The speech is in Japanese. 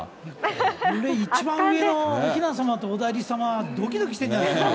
これ、一番上のおひな様とお内裏様、どきどきしてるんじゃないですか？